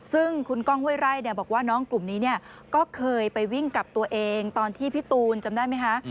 ซึ่งคุณก้องห้วยไร่บอกว่าน้องกลุ่มนี้ก็เคยไปวิ่งกับตัวเองตอนที่พี่ตูนจำได้ไหมคะ